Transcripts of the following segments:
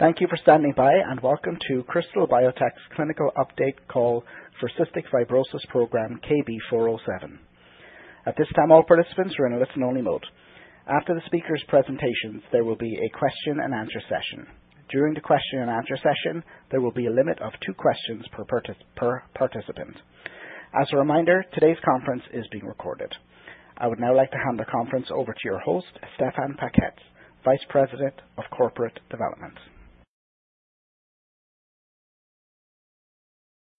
Thank you for standing by, and welcome to Krystal Biotech's clinical update call for Cystic Fibrosis Program KB407. At this time, all participants are in a listen-only mode. After the speakers' presentations, there will be a question-and-answer session. During the question-and-answer session, there will be a limit of two questions per participant. As a reminder, today's conference is being recorded. I would now like to hand the conference over to your host, Stéphane Paquette, Vice President of Corporate Development.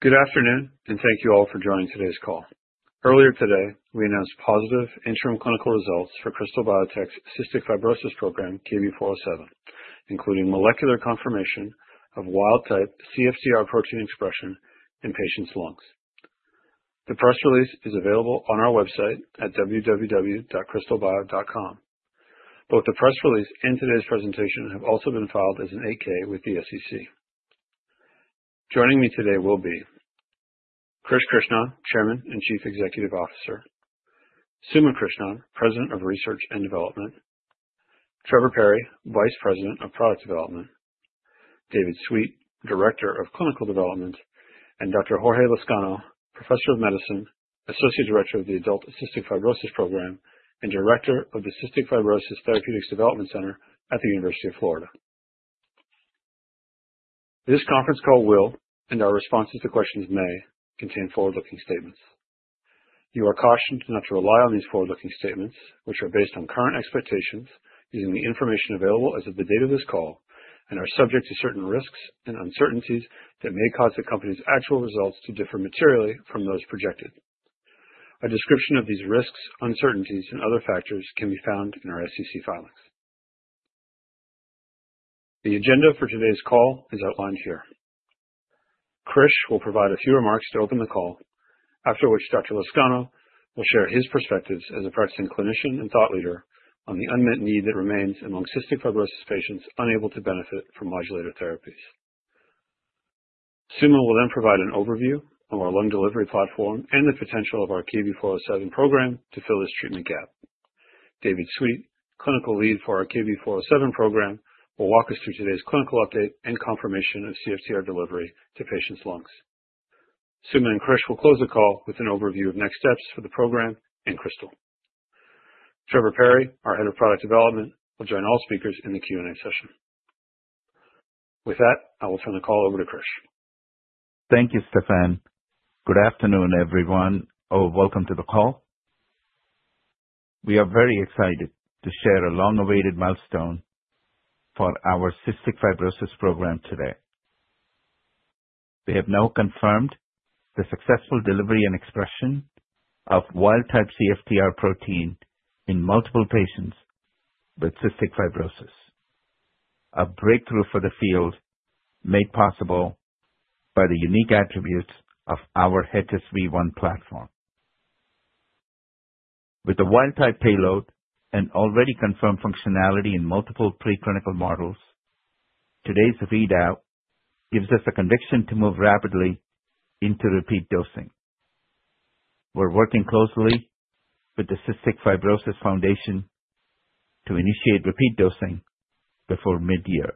Good afternoon, and thank you all for joining today's call. Earlier today, we announced positive interim clinical results for Krystal Biotech's Cystic Fibrosis Program KB407, including molecular confirmation of wild-type CFTR protein expression in patients' lungs. The press release is available on our website at www.krystalbio.com. Both the press release and today's presentation have also been filed as an 8-K with the SEC. Joining me today will be: Krish Krishnan, Chairman and Chief Executive Officer; Suma Krishnan, President of Research and Development; Trevor Perry, Vice President of Product Development; David Sweet, Director of Clinical Development; and Dr. Jorge Lascano, Professor of Medicine, Associate Director of the Adult Cystic Fibrosis Program and Director of the Cystic Fibrosis Therapeutics Development Center at the University of Florida. This conference call will, and our responses to questions may, contain forward-looking statements. You are cautioned not to rely on these forward-looking statements, which are based on current expectations using the information available as of the date of this call and are subject to certain risks and uncertainties that may cause the company's actual results to differ materially from those projected. A description of these risks, uncertainties, and other factors can be found in our SEC filings. The agenda for today's call is outlined here. Krish will provide a few remarks to open the call, after which Dr. Lascano will share his perspectives as a practicing clinician and thought leader on the unmet need that remains among cystic fibrosis patients unable to benefit from modulator therapies. Suma will then provide an overview of our lung delivery platform and the potential of our KB407 program to fill this treatment gap. David Sweet, clinical lead for our KB407 program, will walk us through today's clinical update and confirmation of CFTR delivery to patients' lungs. Suma and Krish will close the call with an overview of next steps for the program and Krystal. Trevor Parry, our Head of Product Development, will join all speakers in the Q&A session. With that, I will turn the call over to Krish. Thank you, Stéphane. Good afternoon, everyone, or welcome to the call. We are very excited to share a long-awaited milestone for our Cystic Fibrosis Program today. We have now confirmed the successful delivery and expression of wild-type CFTR protein in multiple patients with cystic fibrosis, a breakthrough for the field made possible by the unique attributes of our HSV-1 platform. With the wild-type payload and already confirmed functionality in multiple preclinical models, today's readout gives us a conviction to move rapidly into repeat dosing. We're working closely with the Cystic Fibrosis Foundation to initiate repeat dosing before mid-year.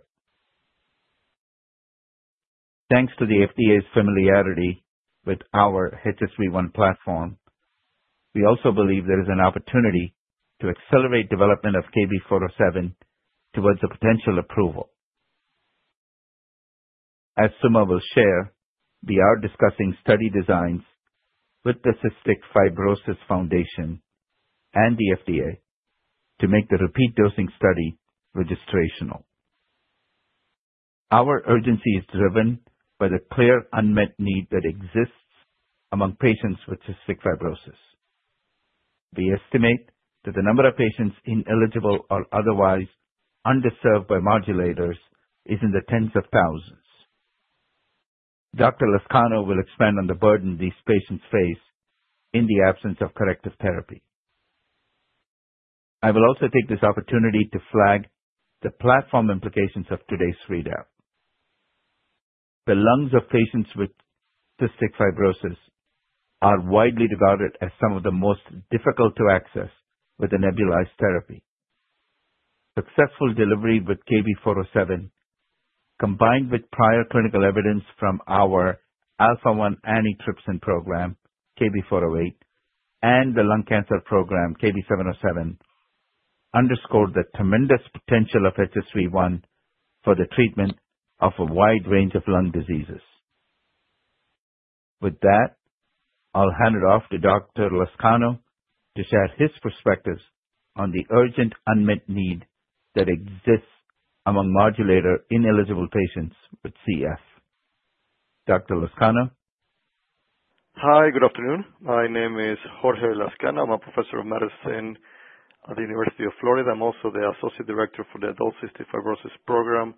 Thanks to the FDA's familiarity with our HSV-1 platform, we also believe there is an opportunity to accelerate development of KB407 towards a potential approval. As Suma will share, we are discussing study designs with the Cystic Fibrosis Foundation and the FDA to make the repeat dosing study registrational. Our urgency is driven by the clear unmet need that exists among patients with cystic fibrosis. We estimate that the number of patients ineligible or otherwise underserved by modulators is in the tens of thousands. Dr. Lascano will expand on the burden these patients face in the absence of corrective therapy. I will also take this opportunity to flag the platform implications of today's readout. The lungs of patients with cystic fibrosis are widely regarded as some of the most difficult to access with a nebulized therapy. Successful delivery with KB407, combined with prior clinical evidence from our Alpha-1 antitrypsin program, KB408, and the lung cancer program, KB707, underscored the tremendous potential of HSV-1 for the treatment of a wide range of lung diseases. With that, I'll hand it off to Dr. Lascano to share his perspectives on the urgent unmet need that exists among modulator-ineligible patients with CF. Dr. Lascano? Hi, good afternoon. My name is Jorge Lascano. I'm a Professor of Medicine at the University of Florida. I'm also the Associate Director for the Adult Cystic Fibrosis Program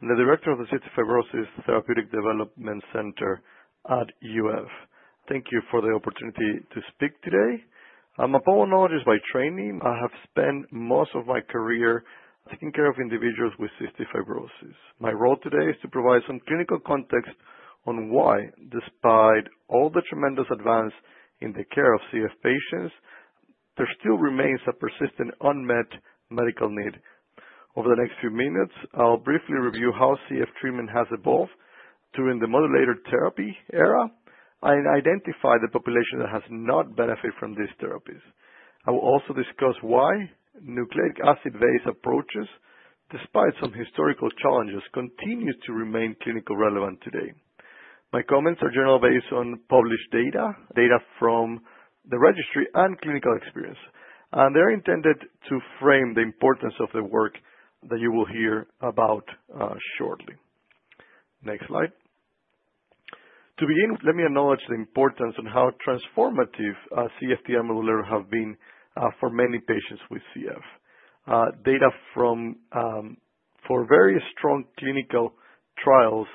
and the Director of the Cystic Fibrosis Therapeutic Development Center at UF. Thank you for the opportunity to speak today. I'm a pulmonologist by training. I have spent most of my career taking care of individuals with cystic fibrosis. My role today is to provide some clinical context on why, despite all the tremendous advance in the care of CF patients, there still remains a persistent unmet medical need. Over the next few minutes, I'll briefly review how CF treatment has evolved during the modulator therapy era and identify the population that has not benefited from these therapies. I will also discuss why nucleic acid-based approaches, despite some historical challenges, continue to remain clinically relevant today. My comments are generally based on published data, data from the registry, and clinical experience, and they're intended to frame the importance of the work that you will hear about shortly. Next slide. To begin, let me acknowledge the importance and how transformative CFTR modulators have been for many patients with CF. Data from various strong clinical trials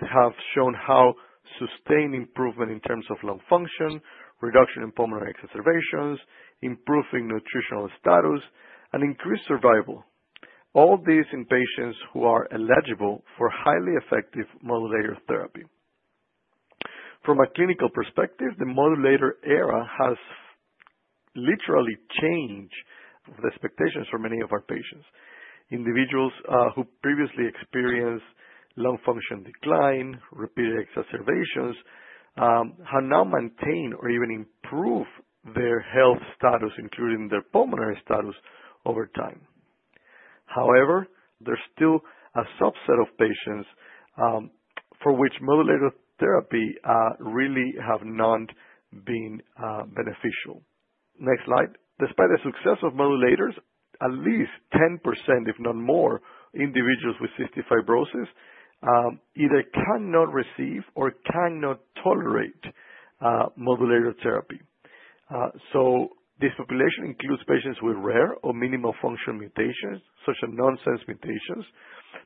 have shown how sustained improvement in terms of lung function, reduction in pulmonary exacerbations, improving nutritional status, and increased survival, all these in patients who are eligible for highly effective modulator therapy. From a clinical perspective, the modulator era has literally changed the expectations for many of our patients. Individuals who previously experienced lung function decline, repeated exacerbations, have now maintained or even improved their health status, including their pulmonary status, over time. However, there's still a subset of patients for which modulator therapy really has not been beneficial. Next slide. Despite the success of modulators, at least 10%, if not more, individuals with cystic fibrosis either cannot receive or cannot tolerate modulator therapy. So this population includes patients with rare or minimal function mutations, such as nonsense mutations,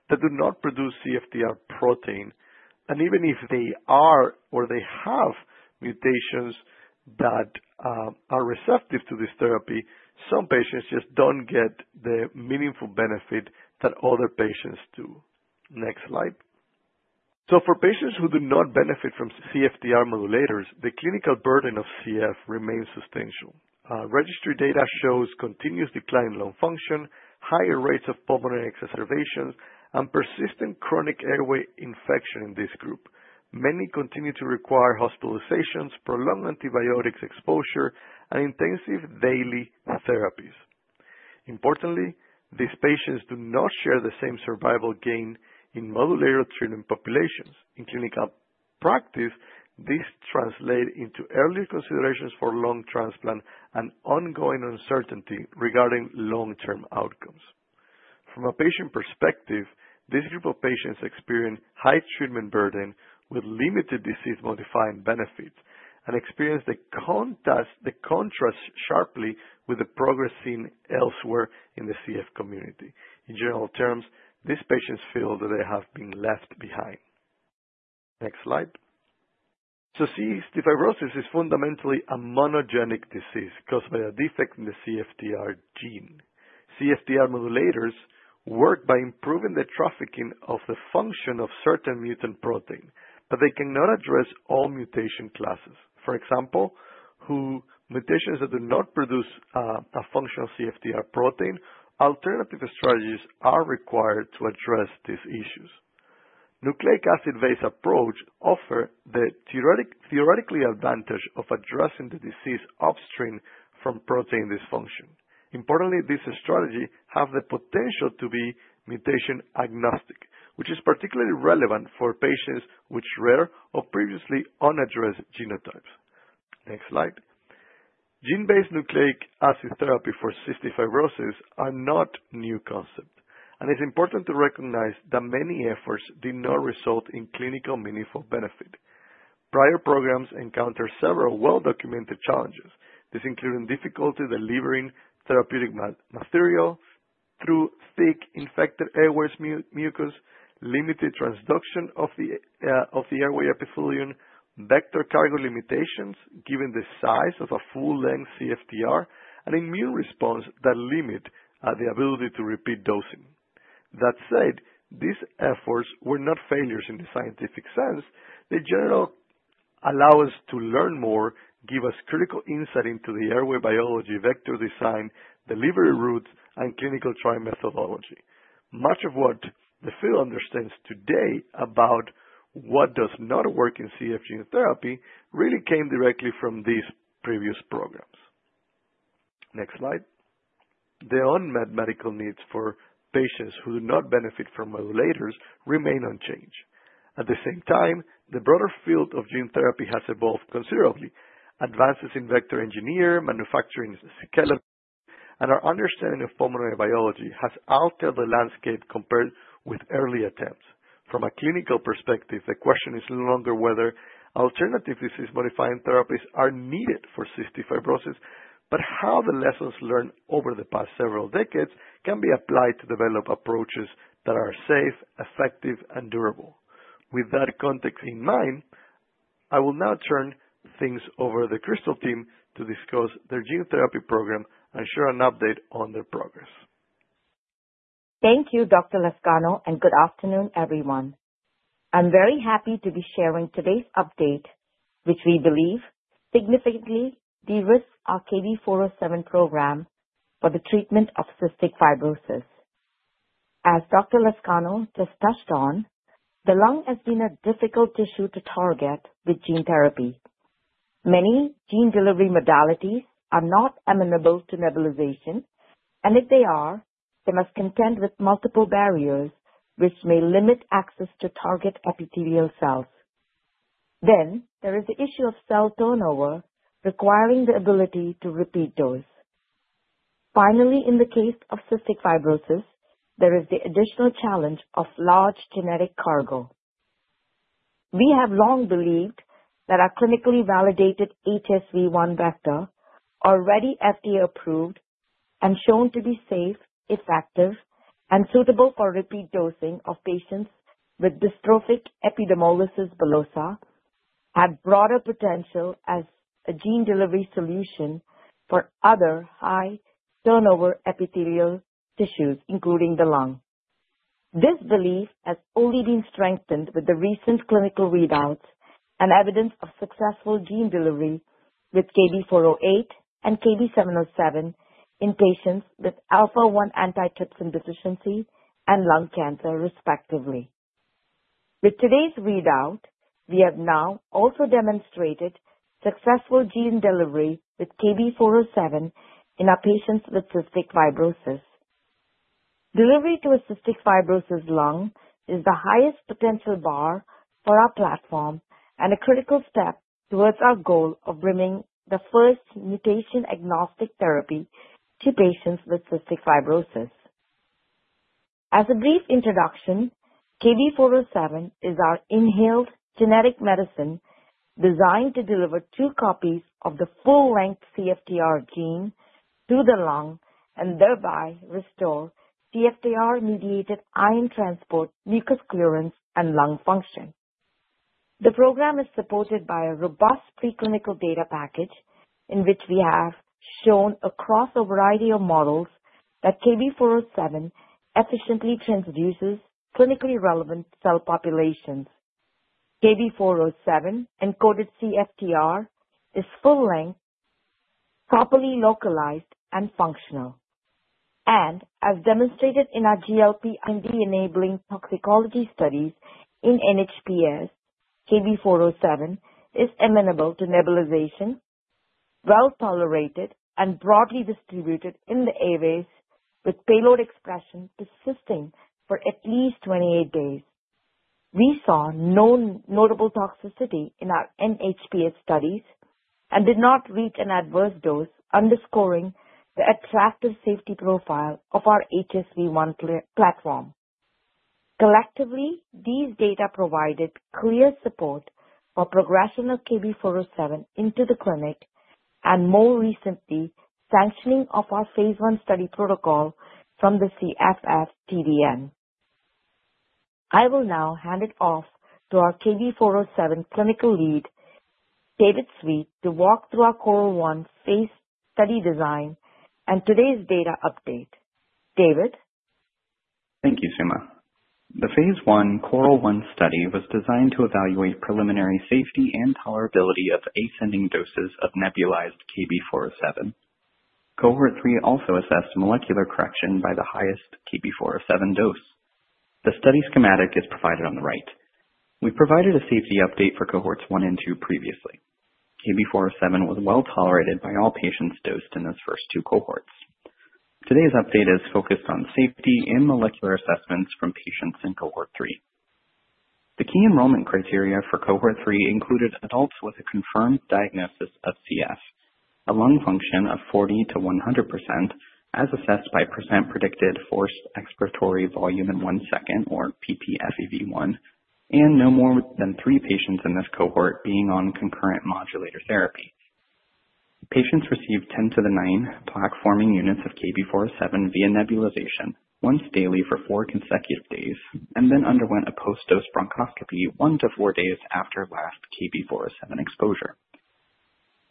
that do not produce CFTR protein. And even if they are or they have mutations that are receptive to this therapy, some patients just don't get the meaningful benefit that other patients do. Next slide. So for patients who do not benefit from CFTR modulators, the clinical burden of CF remains substantial. Registry data shows continuous decline in lung function, higher rates of pulmonary exacerbations, and persistent chronic airway infection in this group. Many continue to require hospitalizations, prolonged antibiotics exposure, and intensive daily therapies. Importantly, these patients do not share the same survival gain in modulator treatment populations. In clinical practice, this translates into early considerations for lung transplant and ongoing uncertainty regarding long-term outcomes. From a patient perspective, this group of patients experience high treatment burden with limited disease-modifying benefit and experience the contrast sharply with the progress seen elsewhere in the CF community. In general terms, these patients feel that they have been left behind. Next slide. Cystic fibrosis is fundamentally a monogenic disease caused by a defect in the CFTR gene. CFTR modulators work by improving the trafficking of the function of certain mutant protein, but they cannot address all mutation classes. For example, for mutations that do not produce a functional CFTR protein, alternative strategies are required to address these issues. Nucleic acid-based approaches offer the theoretical advantage of addressing the disease upstream from protein dysfunction. Importantly, this strategy has the potential to be mutation-agnostic, which is particularly relevant for patients with rare or previously unaddressed genotypes. Next slide. Gene-based nucleic acid therapy for cystic fibrosis is not a new concept, and it's important to recognize that many efforts did not result in clinically meaningful benefit. Prior programs encountered several well-documented challenges. This included difficulty delivering therapeutic material through thick infected airway mucus, limited transduction of the airway epithelium, vector cargo limitations given the size of a full-length CFTR, and immune responses that limit the ability to repeat dosing. That said, these efforts were not failures in the scientific sense. They generally allow us to learn more, give us critical insight into the airway biology, vector design, delivery routes, and clinical trial methodology. Much of what the field understands today about what does not work in CF gene therapy really came directly from these previous programs. Next slide. The unmet medical needs for patients who do not benefit from modulators remain unchanged. At the same time, the broader field of gene therapy has evolved considerably. Advances in vector engineering, manufacturing, scaling, and our understanding of pulmonary biology have altered the landscape compared with early attempts. From a clinical perspective, the question is no longer whether alternative disease-modifying therapies are needed for cystic fibrosis, but how the lessons learned over the past several decades can be applied to develop approaches that are safe, effective, and durable. With that context in mind, I will now turn things over to the Krystal team to discuss their gene therapy program and share an update on their progress. Thank you, Dr. Lascano, and good afternoon, everyone. I'm very happy to be sharing today's update, which we believe significantly de-risked our KB407 program for the treatment of cystic fibrosis. As Dr. Lascano just touched on, the lung has been a difficult tissue to target with gene therapy. Many gene delivery modalities are not amenable to nebulization, and if they are, they must contend with multiple barriers which may limit access to target epithelial cells. Then there is the issue of cell turnover requiring the ability to repeat dose. Finally, in the case of cystic fibrosis, there is the additional challenge of large genetic cargo. We have long believed that our clinically validated HSV-1 vector, already FDA-approved and shown to be safe, effective, and suitable for repeat dosing of patients with dystrophic epidermolysis bullosa, has broader potential as a gene delivery solution for other high turnover epithelial tissues, including the lung. This belief has only been strengthened with the recent clinical readouts and evidence of successful gene delivery with KB408 and KB707 in patients with Alpha-1 antitrypsin deficiency and lung cancer, respectively. With today's readout, we have now also demonstrated successful gene delivery with KB407 in our patients with cystic fibrosis. Delivery to a cystic fibrosis lung is the highest potential bar for our platform and a critical step towards our goal of bringing the first mutation-agnostic therapy to patients with cystic fibrosis. As a brief introduction, KB407 is our inhaled genetic medicine designed to deliver two copies of the full-length CFTR gene through the lung and thereby restore CFTR-mediated ion transport, mucus clearance, and lung function. The program is supported by a robust preclinical data package in which we have shown across a variety of models that KB407 efficiently transduces clinically relevant cell populations. KB407 encoded CFTR is full-length, properly localized, and functional, and as demonstrated in our GLP enabling toxicology studies in NHPs, KB407 is amenable to nebulization, well tolerated, and broadly distributed in the airways with payload expression persisting for at least 28 days. We saw no notable toxicity in our NHPs studies and did not reach an adverse dose, underscoring the attractive safety profile of our HSV-1 platform. Collectively, these data provided clear support for progression of KB407 into the clinic and, more recently, sanctioning of our phase 1 study protocol from the CFF TDN. I will now hand it off to our KB407 clinical lead, David Sweet, to walk through our CORAL-1 phase study design and today's data update. David. Thank you, Suma. The Phase I CORAL-1 study was designed to evaluate preliminary safety and tolerability of ascending doses of nebulized KB407. Cohort 3 also assessed molecular correction by the highest KB407 dose. The study schematic is provided on the right. We provided a safety update for Cohorts 1 and 2 previously. KB407 was well tolerated by all patients dosed in those first two cohorts. Today's update is focused on safety and molecular assessments from patients in cohort 3. The key enrollment criteria for cohort 3 included adults with a confirmed diagnosis of CF, a lung function of 40%-100% as assessed by percent predicted forced expiratory volume in one second, or ppFEV1, and no more than three patients in this cohort being on concurrent modulator therapy. Patients received 10^9 plaque-forming units of KB407 via nebulization once daily for four consecutive days and then underwent a post-dose bronchoscopy one to four days after last KB407 exposure.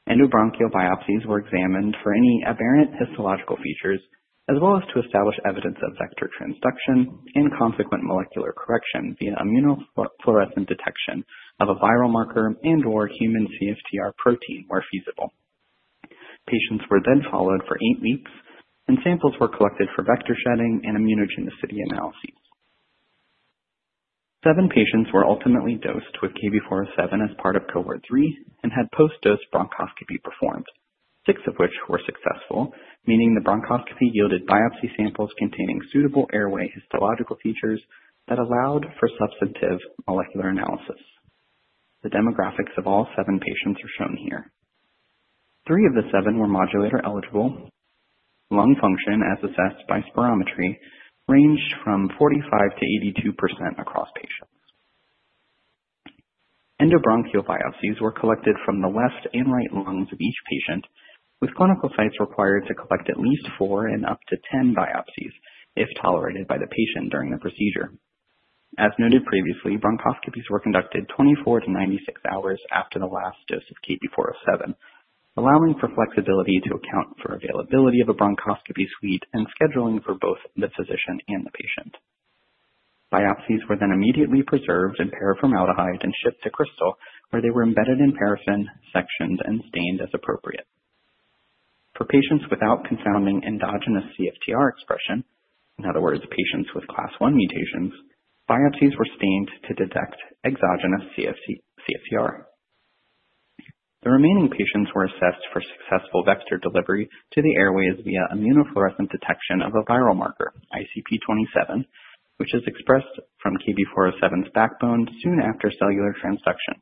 Endobronchial biopsies were examined for any aberrant histological features as well as to establish evidence of vector transduction and consequent molecular correction via immunofluorescence detection of a viral marker and/or human CFTR protein where feasible. Patients were then followed for eight weeks, and samples were collected for vector shedding and immunogenicity analyses. Seven patients were ultimately dosed with KB407 as part of Cohort 3 and had post-dose bronchoscopy performed, six of which were successful, meaning the bronchoscopy yielded biopsy samples containing suitable airway histological features that allowed for substantive molecular analysis. The demographics of all seven patients are shown here. Three of the seven were modulator-eligible. Lung function, as assessed by spirometry, ranged from 45%-82% across patients. Endobronchial biopsies were collected from the left and right lungs of each patient, with clinical sites required to collect at least four and up to ten biopsies, if tolerated by the patient during the procedure. As noted previously, bronchoscopies were conducted 24-96 hours after the last dose of KB407, allowing for flexibility to account for availability of a bronchoscopy suite and scheduling for both the physician and the patient. Biopsies were then immediately preserved in paraformaldehyde and shipped to Krystal, where they were embedded in paraffin, sectioned, and stained as appropriate. For patients without confounding endogenous CFTR expression, in other words, patients with Class I mutations, biopsies were stained to detect exogenous CFTR. The remaining patients were assessed for successful vector delivery to the airways via immunofluorescence detection of a viral marker, ICP27, which is expressed from KB407's backbone soon after cellular transduction.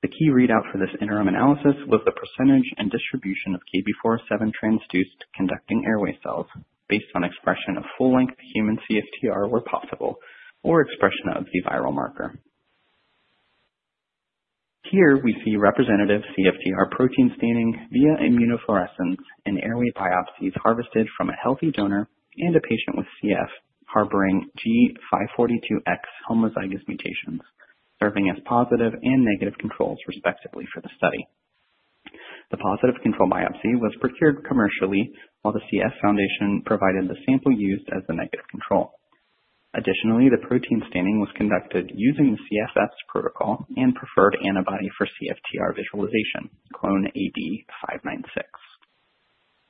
The key readout for this interim analysis was the percentage and distribution of KB407 transduced conducting airway cells based on expression of full-length human CFTR where possible or expression of the viral marker. Here, we see representative CFTR protein staining via immunofluorescence in airway biopsies harvested from a healthy donor and a patient with CF harboring G542X homozygous mutations, serving as positive and negative controls, respectively, for the study. The positive control biopsy was procured commercially while the CF Foundation provided the sample used as the negative control. Additionally, the protein staining was conducted using the CF's protocol and preferred antibody for CFTR visualization, Clone AD596.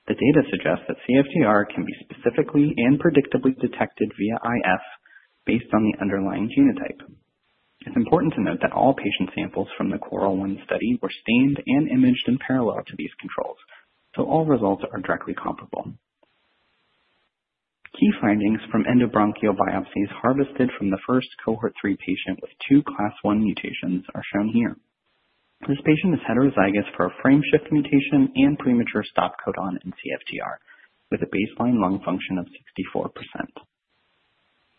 The data suggest that CFTR can be specifically and predictably detected via IF based on the underlying genotype. It's important to note that all patient samples from the CORAL-1 study were stained and imaged in parallel to these controls, so all results are directly comparable. Key findings from endobronchial biopsies harvested from the first cohort 3 patient with two Class I mutations are shown here. This patient is heterozygous for a frameshift mutation and premature stop codon in CFTR, with a baseline lung function of 64%.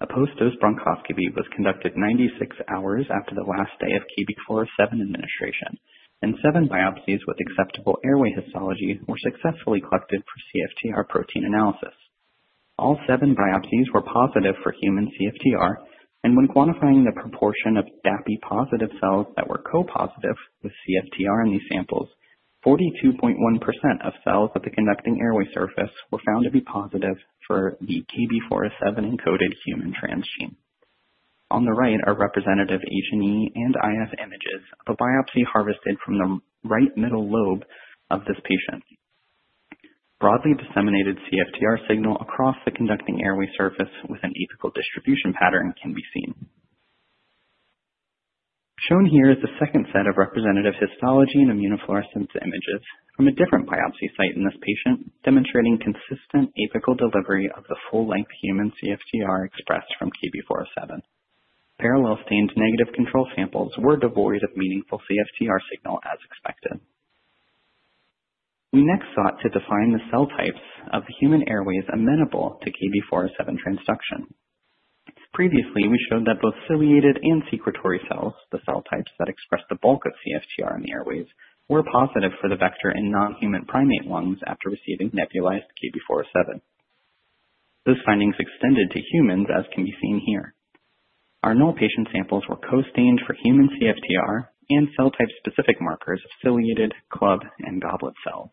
A post-dose bronchoscopy was conducted 96 hours after the last day of KB407 administration, and seven biopsies with acceptable airway histology were successfully collected for CFTR protein analysis. All seven biopsies were positive for human CFTR, and when quantifying the proportion of DAPI-positive cells that were co-positive with CFTR in these samples, 42.1% of cells at the conducting airway surface were found to be positive for the KB407-encoded human transgene. On the right are representative H&E and IF images of a biopsy harvested from the right middle lobe of this patient. Broadly disseminated CFTR signal across the conducting airway surface with an apical distribution pattern can be seen. Shown here is the second set of representative histology and immunofluorescence images from a different biopsy site in this patient, demonstrating consistent apical delivery of the full-length human CFTR expressed from KB407. Parallel stained negative control samples were devoid of meaningful CFTR signal, as expected. We next sought to define the cell types of the human airways amenable to KB407 transduction. Previously, we showed that both ciliated and secretory cells, the cell types that express the bulk of CFTR in the airways, were positive for the vector in non-human primate lungs after receiving nebulized KB407. Those findings extended to humans, as can be seen here. Our null patient samples were co-stained for human CFTR and cell type-specific markers of ciliated, club, and goblet cells.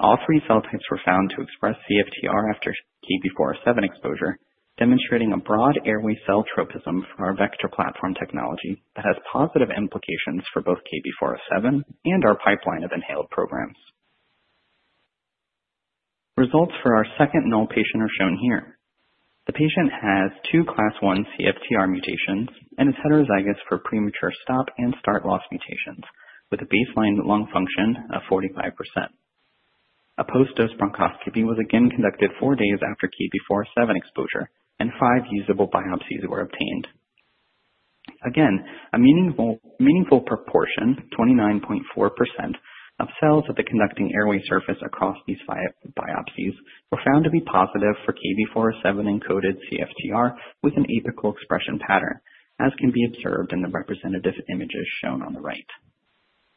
All three cell types were found to express CFTR after KB407 exposure, demonstrating a broad airway cell tropism for our vector platform technology that has positive implications for both KB407 and our pipeline of inhaled programs. Results for our second null patient are shown here. The patient has two Class I CFTR mutations and is heterozygous for premature stop and start loss mutations, with a baseline lung function of 45%. A post-dose bronchoscopy was again conducted four days after KB407 exposure, and five usable biopsies were obtained. Again, a meaningful proportion, 29.4%, of cells at the conducting airway surface across these five biopsies were found to be positive for KB407-encoded CFTR with an apical expression pattern, as can be observed in the representative images shown on the right.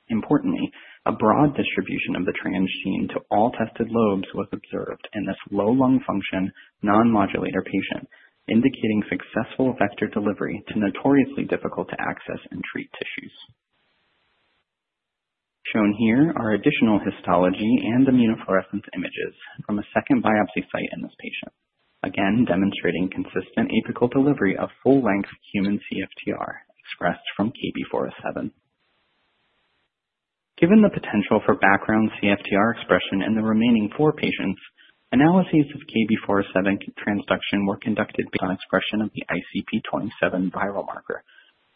Importantly, a broad distribution of the transgene to all tested lobes was observed in this low lung function, non-modulator patient, indicating successful vector delivery to notoriously difficult-to-access and treat tissues. Shown here are additional histology and immunofluorescence images from a second biopsy site in this patient, again demonstrating consistent apical delivery of full-length human CFTR expressed from KB407. Given the potential for background CFTR expression in the remaining four patients, analyses of KB407 transduction were conducted on expression of the ICP27 viral marker.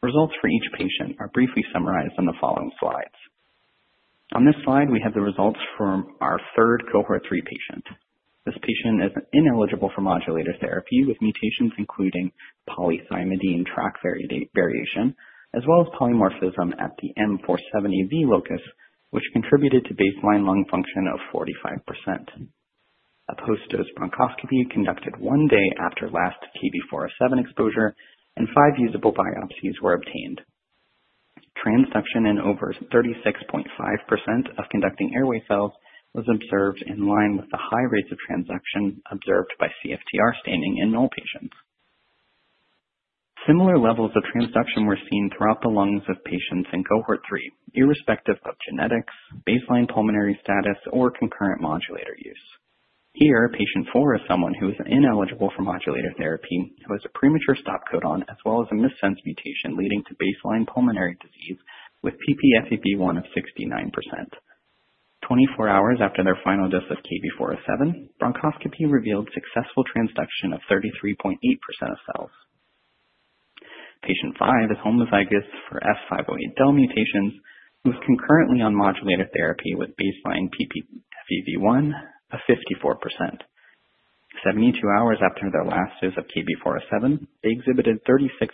Results for each patient are briefly summarized on the following slides. On this slide, we have the results from our third cohort 3 patient. This patient is ineligible for modulator therapy with mutations including poly-T tract variation, as well as polymorphism at the M470V locus, which contributed to baseline lung function of 45%. A post-dose bronchoscopy conducted one day after last KB407 exposure, and five usable biopsies were obtained. Transduction in over 36.5% of conducting airway cells was observed in line with the high rates of transduction observed by CFTR staining in null patients. Similar levels of transduction were seen throughout the lungs of patients in cohort 3, irrespective of genetics, baseline pulmonary status, or concurrent modulator use. Here, patient 4 is someone who is ineligible for modulator therapy, who has a premature stop codon as well as a missense mutation leading to baseline pulmonary disease with ppFEV1 of 69%. Twenty-four hours after their final dose of KB407, bronchoscopy revealed successful transduction of 33.8% of cells. Patient 5 is homozygous for F508del mutations, who is concurrently on modulator therapy with baseline ppFEV1 of 54%. Seventy-two hours after their last dose of KB407, they exhibited 36.8%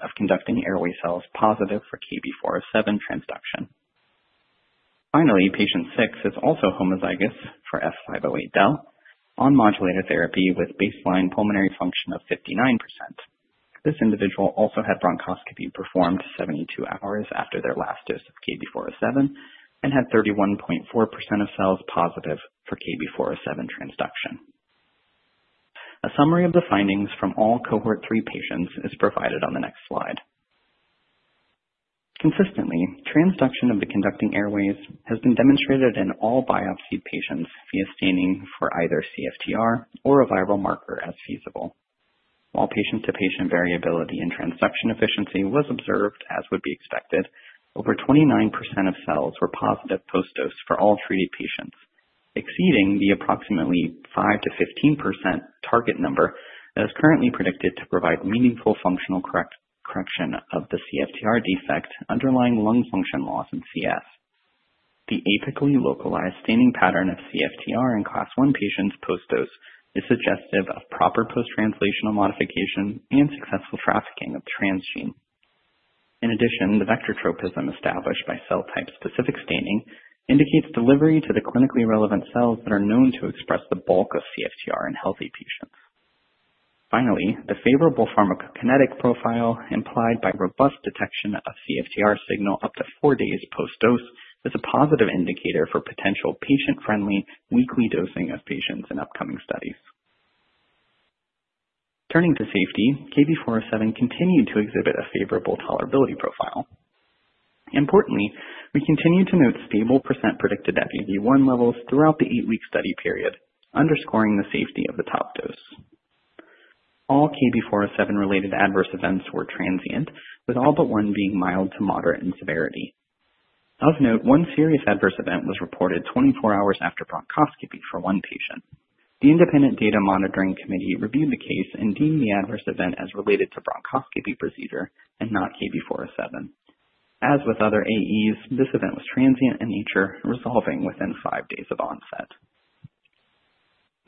of conducting airway cells positive for KB407 transduction. Finally, patient 6 is also homozygous for F508del on modulator therapy with baseline pulmonary function of 59%. This individual also had bronchoscopy performed 72 hours after their last dose of KB407 and had 31.4% of cells positive for KB407 transduction. A summary of the findings from all cohort 3 patients is provided on the next slide. Consistently, transduction of the conducting airways has been demonstrated in all biopsied patients via staining for either CFTR or a viral marker as feasible. While patient-to-patient variability in transduction efficiency was observed, as would be expected, over 29% of cells were positive post-dose for all treated patients, exceeding the approximately 5%-15% target number that is currently predicted to provide meaningful functional correction of the CFTR defect underlying lung function loss in CF. The apically localized staining pattern of CFTR in Class I patients post-dose is suggestive of proper post-translational modification and successful trafficking of the transgene. In addition, the vector tropism established by cell type-specific staining indicates delivery to the clinically relevant cells that are known to express the bulk of CFTR in healthy patients. Finally, the favorable pharmacokinetic profile implied by robust detection of CFTR signal up to four days post-dose is a positive indicator for potential patient-friendly weekly dosing of patients in upcoming studies. Turning to safety, KB407 continued to exhibit a favorable tolerability profile. Importantly, we continue to note stable percent predicted ppFEV1 levels throughout the eight-week study period, underscoring the safety of the top dose. All KB407-related adverse events were transient, with all but one being mild to moderate in severity. Of note, one serious adverse event was reported 24 hours after bronchoscopy for one patient. The Independent Data Monitoring Committee reviewed the case and deemed the adverse event as related to bronchoscopy procedure and not KB407. As with other AEs, this event was transient in nature, resolving within five days of onset.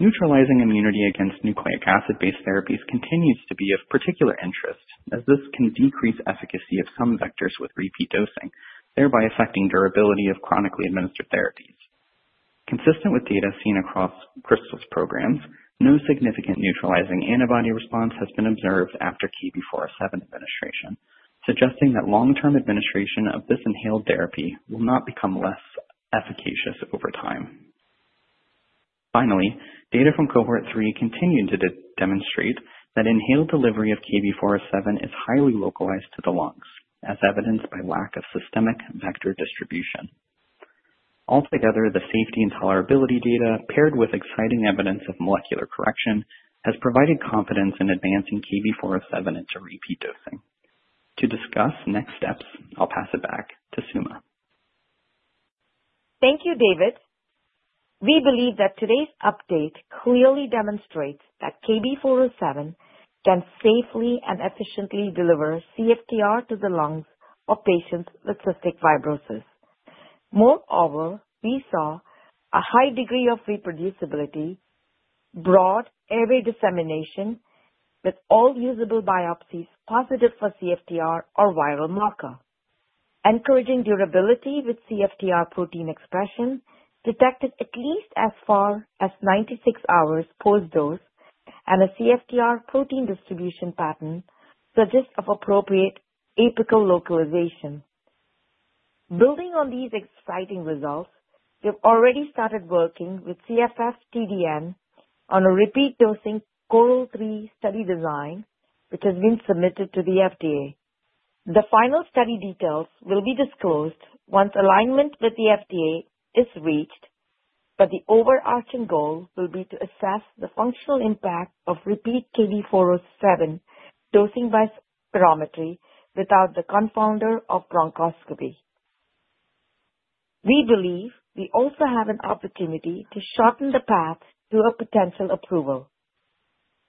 Neutralizing immunity against nucleic acid-based therapies continues to be of particular interest, as this can decrease efficacy of some vectors with repeat dosing, thereby affecting durability of chronically administered therapies. Consistent with data seen across Krystal's programs, no significant neutralizing antibody response has been observed after KB407 administration, suggesting that long-term administration of this inhaled therapy will not become less efficacious over time. Finally, data from cohort 3 continue to demonstrate that inhaled delivery of KB407 is highly localized to the lungs, as evidenced by lack of systemic vector distribution. Altogether, the safety and tolerability data, paired with exciting evidence of molecular correction, has provided confidence in advancing KB407 into repeat dosing. To discuss next steps, I'll pass it back to Suma. Thank you, David. We believe that today's update clearly demonstrates that KB407 can safely and efficiently deliver CFTR to the lungs of patients with cystic fibrosis. Moreover, we saw a high degree of reproducibility, broad airway dissemination, with all usable biopsies positive for CFTR or viral marker. Encouraging durability with CFTR protein expression detected at least as far as 96 hours post-dose, and a CFTR protein distribution pattern suggests appropriate apical localization. Building on these exciting results, we have already started working with CFF TDN on a repeat dosing CORAL-3 study design, which has been submitted to the FDA. The final study details will be disclosed once alignment with the FDA is reached, but the overarching goal will be to assess the functional impact of repeat KB407 dosing by spirometry without the confounder of bronchoscopy. We believe we also have an opportunity to shorten the path to a potential approval.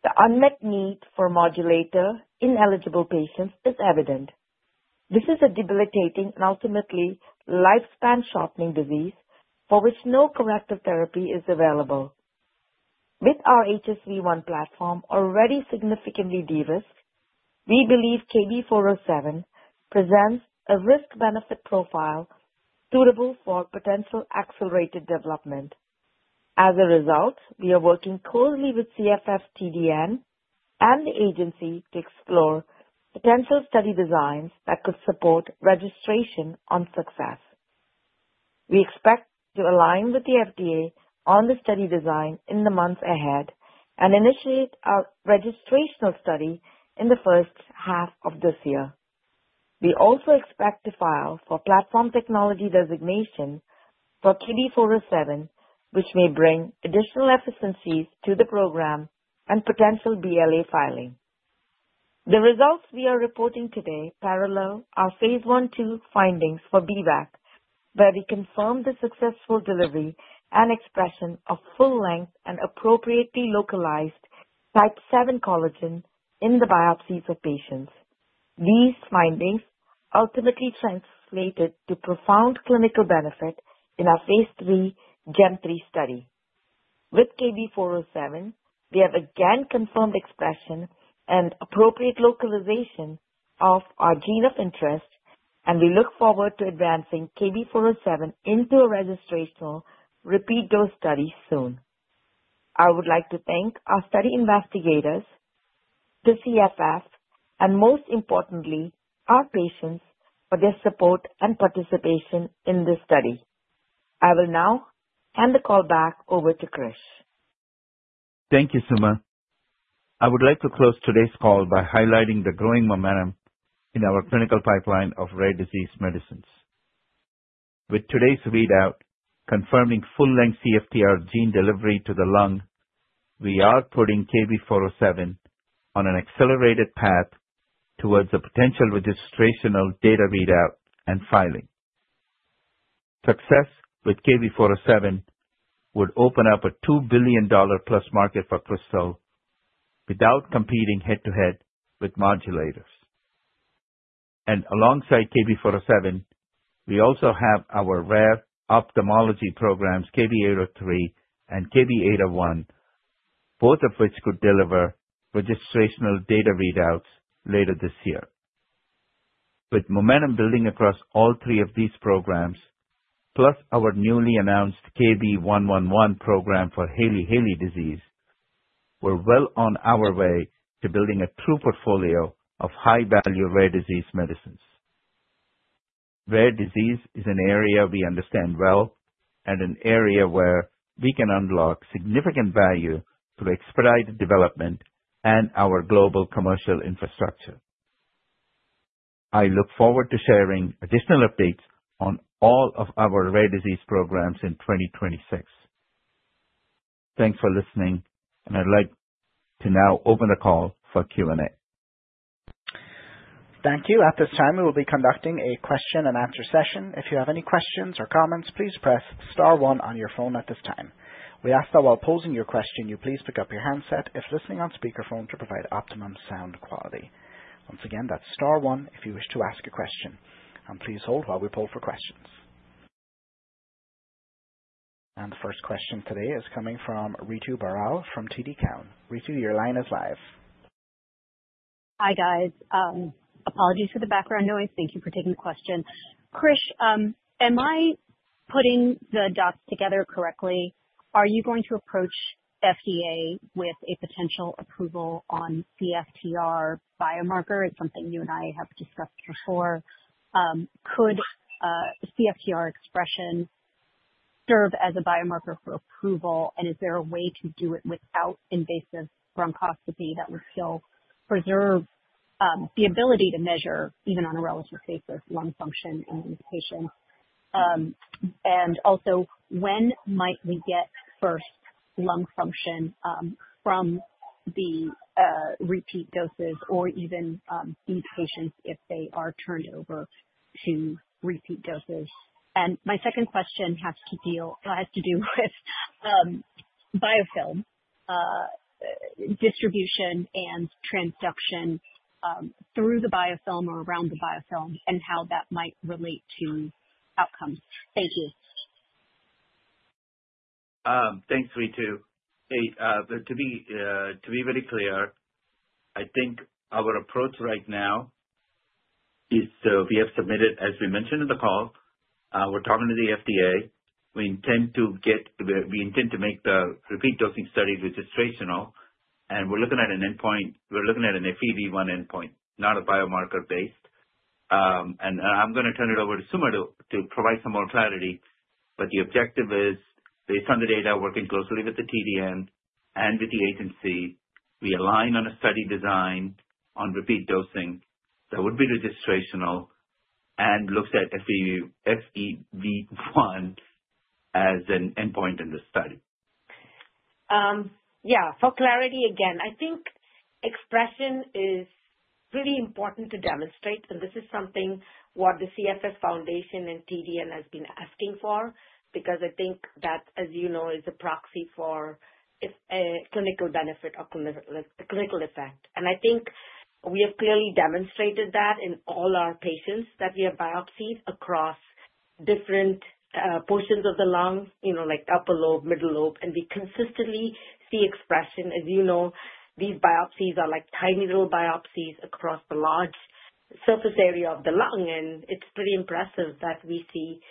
The unmet need for modulator ineligible patients is evident. This is a debilitating and ultimately lifespan-shortening disease for which no corrective therapy is available. With our HSV-1 platform already significantly de-risked, we believe KB407 presents a risk-benefit profile suitable for potential accelerated development. As a result, we are working closely with CFF TDN and the agency to explore potential study designs that could support registration on success. We expect to align with the FDA on the study design in the months ahead and initiate a registrational study in the first half of this year. We also expect to file for platform technology designation for KB407, which may bring additional efficiencies to the program and potential BLA filing. The results we are reporting today parallel our Phase I-II findings for B-VEC, where we confirmed the successful delivery and expression of full-length and appropriately localized type VII collagen in the biopsies of patients. These findings ultimately translated to profound clinical benefit in our Phase III GEM-3 study. With KB407, we have again confirmed expression and appropriate localization of our gene of interest, and we look forward to advancing KB407 into a registrational repeat dose study soon. I would like to thank our study investigators, the CFF, and most importantly, our patients for their support and participation in this study. I will now hand the call back over to Krish. Thank you, Suma. I would like to close today's call by highlighting the growing momentum in our clinical pipeline of rare disease medicines. With today's readout confirming full-length CFTR gene delivery to the lung, we are putting KB407 on an accelerated path towards a potential registrational data readout and filing. Success with KB407 would open up a $2 billion+ market for Krystal without competing head-to-head with modulators. And alongside KB407, we also have our rare ophthalmology programs, KB803 and KB801, both of which could deliver registrational data readouts later this year. With momentum building across all three of these programs, plus our newly announced KB111 program for Hailey-Hailey disease, we're well on our way to building a true portfolio of high-value rare disease medicines. Rare disease is an area we understand well and an area where we can unlock significant value through expedited development and our global commercial infrastructure. I look forward to sharing additional updates on all of our rare disease programs in 2026. Thanks for listening, and I'd like to now open the call for Q&A. Thank you. At this time, we will be conducting a question-and-answer session. If you have any questions or comments, please press star one on your phone at this time. We ask that while posing your question, you please pick up your handset if listening on speakerphone to provide optimum sound quality. Once again, that's star one if you wish to ask a question. And please hold while we pull for questions. And the first question today is coming from Ritu Baral from TD Cowen. Ritu, your line is live. Hi, guys. Apologies for the background noise. Thank you for taking the question. Krish, am I putting the dots together correctly? Are you going to approach FDA with a potential approval on CFTR biomarker? It's something you and I have discussed before. Could CFTR expression serve as a biomarker for approval, and is there a way to do it without invasive bronchoscopy that would still preserve the ability to measure, even on a relative basis, lung function in these patients? And also, when might we get first lung function from the repeat doses or even these patients if they are turned over to repeat doses? And my second question has to deal - it has to do with biofilm distribution and transduction through the biofilm or around the biofilm and how that might relate to outcomes. Thank you. Thanks, Ritu. To be very clear, I think our approach right now is we have submitted, as we mentioned in the call, we're talking to the FDA. We intend to get - we intend to make the repeat dosing study registrational, and we're looking at an endpoint. We're looking at an FEV1 endpoint, not a biomarker-based. And I'm going to turn it over to Suma to provide some more clarity. But the objective is, based on the data, working closely with the TDN and with the agency, we align on a study design on repeat dosing that would be registrational and looks at FEV1 as an endpoint in this study. Yeah. For clarity again, I think expression is really important to demonstrate, and this is something what the CFF and TDN have been asking for because I think that, as you know, is a proxy for clinical benefit or clinical effect. And I think we have clearly demonstrated that in all our patients that we have biopsied across different portions of the lung, like upper lobe, middle lobe, and we consistently see expression. As you know, these biopsies are like tiny little biopsies across the large surface area of the lung, and it's pretty impressive that we see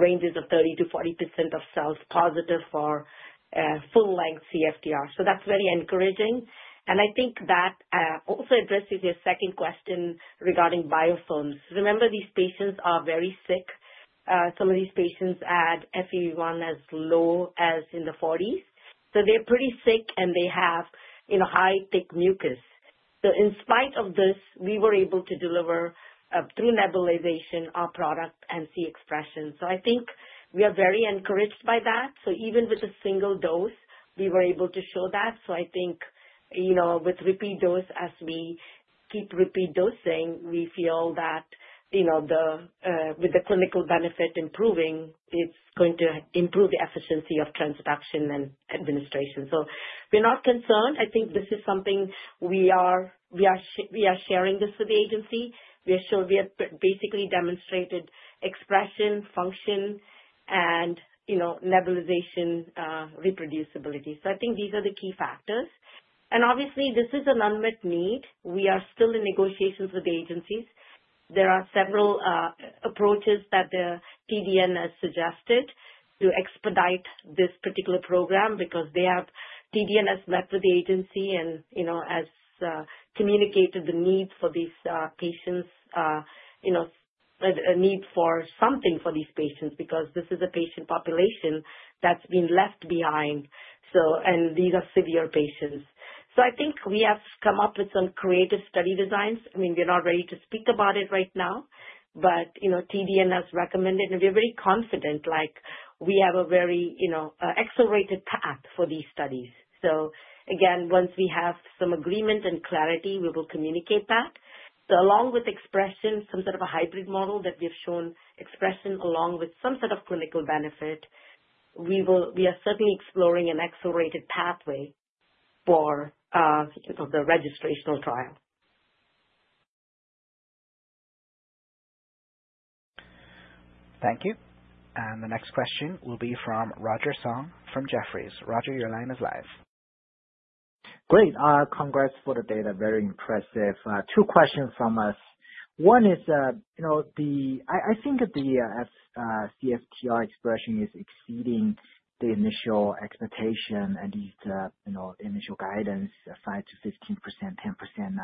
ranges of 30%-40% of cells positive for full-length CFTR. So that's very encouraging, and I think that also addresses your second question regarding biofilms. Remember, these patients are very sick. Some of these patients had FEV1 as low as in the 40s. So they're pretty sick, and they have high thick mucus. So in spite of this, we were able to deliver, through nebulization, our product and see expression. So I think we are very encouraged by that. So even with a single dose, we were able to show that. So I think with repeat dose, as we keep repeat dosing, we feel that with the clinical benefit improving, it's going to improve the efficiency of transduction and administration. So we're not concerned. I think this is something we are sharing this with the agency. We are sure we have basically demonstrated expression, function, and nebulization reproducibility. So I think these are the key factors. And obviously, this is an unmet need. We are still in negotiations with the agencies. There are several approaches that the TDN has suggested to expedite this particular program because they have, TDN has met with the agency and has communicated the need for these patients, the need for something for these patients because this is a patient population that's been left behind, and these are severe patients. So I think we have come up with some creative study designs. I mean, we're not ready to speak about it right now, but TDN has recommended, and we're very confident we have a very accelerated path for these studies. So again, once we have some agreement and clarity, we will communicate that. So along with expression, some sort of a hybrid model that we have shown expression along with some sort of clinical benefit, we are certainly exploring an accelerated pathway for the registrational trial. Thank you. And the next question will be from Roger Song from Jefferies. Roger, your line is live. Great. Congrats for the data. Very impressive. Two questions from us. One is, I think the CFTR expression is exceeding the initial expectation and the initial guidance, 5%-15%, 10%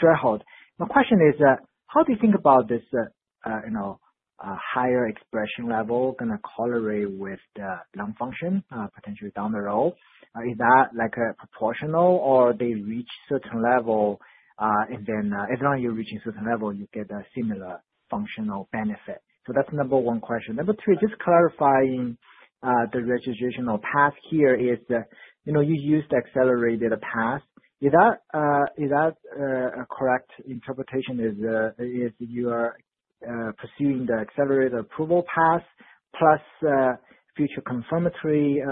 threshold. My question is, how do you think about this higher expression level going to correlate with lung function potentially down the road? Is that proportional, or do they reach a certain level, and then as long as you're reaching a certain level, you get a similar functional benefit? So that's number one question. Number two, just clarifying the registrational path here is you used the accelerated path. Is that a correct interpretation? Is you are pursuing the accelerated approval path plus future confirmatory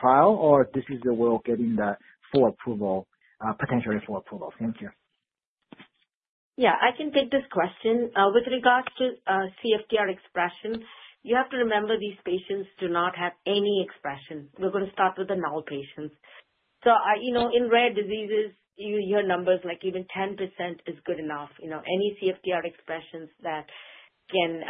trial, or this is the way of getting the full approval, potentially full approval? Thank you. Yeah. I can take this question. With regards to CFTR expression, you have to remember these patients do not have any expression. We're going to start with the null patients. So in rare diseases, you hear numbers like even 10% is good enough. Any CFTR expressions that can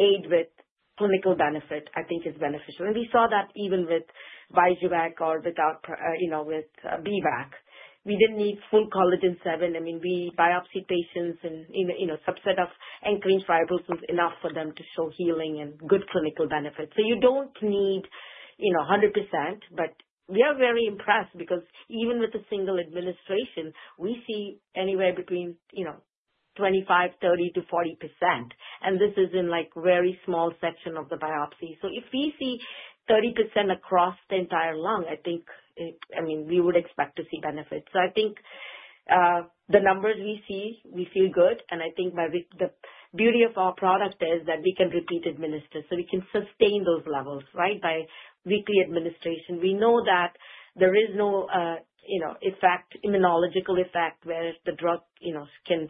aid with clinical benefit, I think, is beneficial. And we saw that even with Vyjuvek or with B-VEC. We didn't need full collagen seven. I mean, we biopsied patients and subset of anchoring fibrils enough for them to show healing and good clinical benefit. So you don't need 100%, but we are very impressed because even with a single administration, we see anywhere between 25%, 30%-40%. And this is in a very small section of the biopsy. So if we see 30% across the entire lung, I think, I mean, we would expect to see benefits. So I think the numbers we see, we feel good. And I think the beauty of our product is that we can repeat administer. So we can sustain those levels, right, by weekly administration. We know that there is no effect, immunological effect, where the drug can,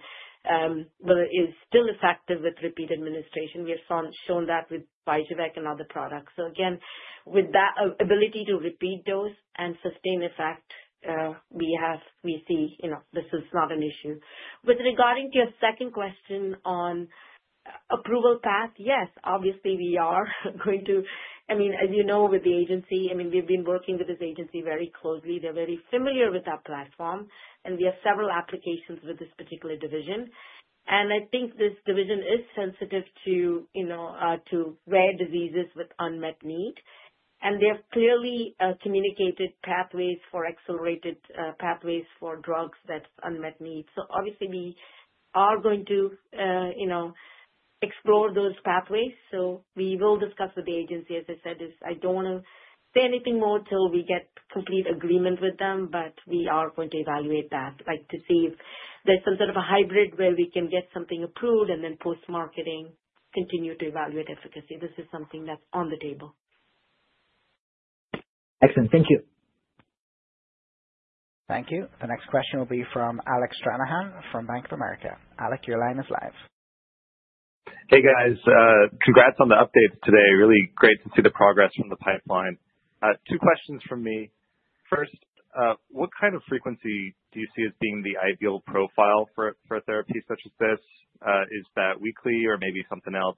well, it is still effective with repeat administration. We have shown that with B-VEC and other products. So again, with that ability to repeat dose and sustain effect, we see this is not an issue. With regard to your second question on approval path, yes, obviously, we are going to, I mean, as you know, with the agency, I mean, we've been working with this agency very closely. They're very familiar with our platform, and we have several applications with this particular division. And I think this division is sensitive to rare diseases with unmet need. And they have clearly communicated pathways for accelerated pathways for drugs that unmet need. So obviously, we are going to explore those pathways. So we will discuss with the agency. As I said, I don't want to say anything more till we get complete agreement with them, but we are going to evaluate that to see if there's some sort of a hybrid where we can get something approved and then post-marketing continue to evaluate efficacy. This is something that's on the table. Excellent. Thank you. Thank you. The next question will be from Alec Stranahan from Bank of America. Alec, your line is live. Hey, guys. Congrats on the updates today. Really great to see the progress from the pipeline. Two questions from me. First, what kind of frequency do you see as being the ideal profile for a therapy such as this? Is that weekly or maybe something else?